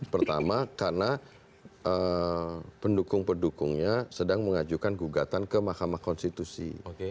pertama karena pendukung pendukungnya sedang mengajukan gugatan ke mahkamah konstitusi